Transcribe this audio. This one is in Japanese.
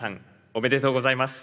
おめでとうございます。